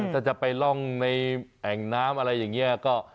ถ้าจะไปร่องในแอ่งน้ำอะไรอย่างนี้ก็